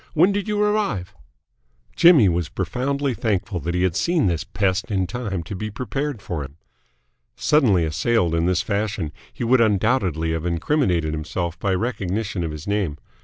When did you arrive?" Jimmy was profoundly thankful that he had seen this pest in time to be prepared for him. Suddenly assailed in this fashion, he would undoubtedly have incriminated himself by recognition of his name.